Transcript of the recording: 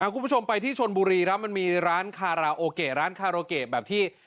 คุณผู้ชมไปที่ชนบุรีครับมันมีร้านคาราโอเกะร้านคาโรเกะแบบที่